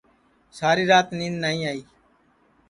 ساری رات نید نائی آئی